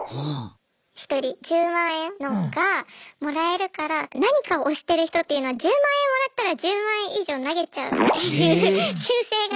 １人１０万円がもらえるから何かを推してる人っていうのは１０万円もらったら１０万円以上投げちゃうっていう習性が。